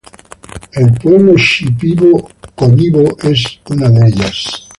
El pueblo shipibo-konibo es una de ellas.